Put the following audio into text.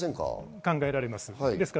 考えられます。